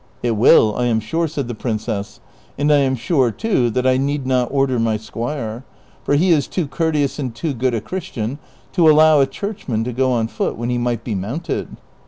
" It will, I am sure," said the princess, " and I am sure, too, that I need not order my squire, for he is too courteous and too good a Christian to allow a Churchman to go on foot when he might be mounted."